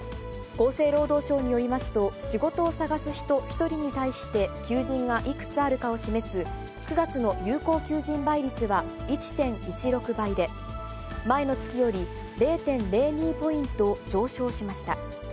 厚生労働省によりますと、仕事を探す人１人に対して求人がいくつあるかを示す９月の有効求人倍率は１．１６倍で、前の月より０．０２ポイント上昇しました。